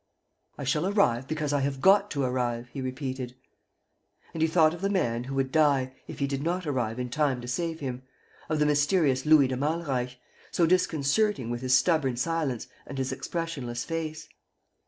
"I shall arrive because I have got to arrive," he repeated. And he thought of the man who would die, if he did not arrive in time to save him, of the mysterious Louis de Malreich, so disconcerting with his stubborn silence and his expressionless face.